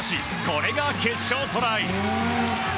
これが決勝トライ。